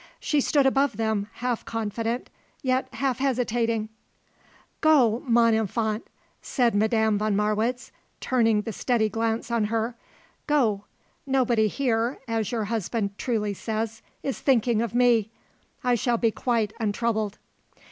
She stood above them, half confident, yet half hesitating. "Go, mon enfant," said Madame von Marwitz, turning the steady glance on her. "Go. Nobody here, as your husband truly says, is thinking of me. I shall be quite untroubled."